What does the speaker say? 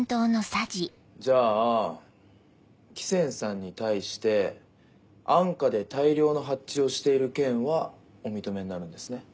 じゃあ喜泉さんに対して安価で大量の発注をしている件はお認めになるんですね？